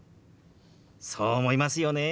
そう思いますよね。